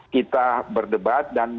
kita berdebat dan